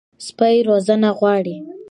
سپي روزنه غواړي.